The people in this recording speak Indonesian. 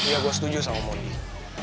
ya gue setuju sama mony